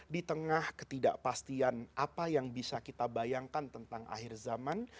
di tengah ketidakpastian apa yang bisa kita bayangkan tentang akhir zaman